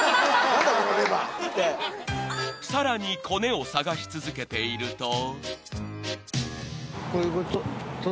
［さらにコネを探し続けていると］